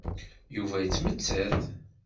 Yuba yettmettat.